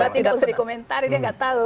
tidak usah dikomentari dia nggak tahu